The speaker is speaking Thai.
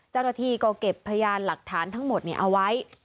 เจ้าหน้าที่ก็เก็บพยานหลักฐานทั้งหมดเอาไว้